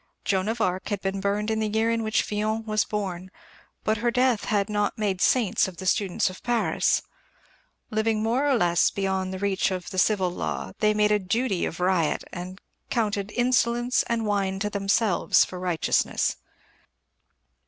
Joan of Arc had been burned in the year in which Villon was born, but her death had not made saints of the students of Paris. Living more or less beyond the reach of the civil law, they made a duty of riot, and counted insolence and wine to themselves for righteousness.